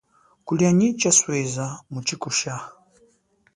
Kulia nyi chasweza, muchikushaha.